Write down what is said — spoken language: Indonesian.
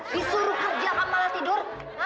disuruh kerja kamu malah tidur